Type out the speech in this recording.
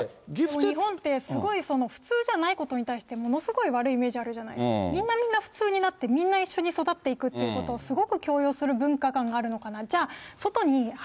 日本って、普通じゃないことに対して、ものすごい悪いイメージあるじゃないですか、みんなみんな普通になって、みんな一緒に育っていくということを、すごく強要する文化観があるのかなと。